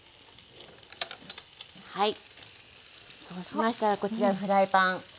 そうしましたらこちらフライパン。